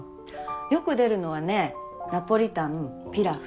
よく出るのはねナポリタンピラフ。